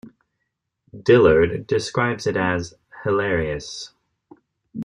Dillard describes it as "hilarious".